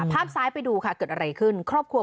ภาพสายไปดูค่ะเกิดอะไรขึ้น